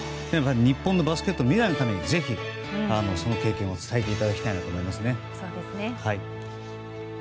日本のバスケットの未来のためにぜひ、その経験を伝えていただきたいなと思います。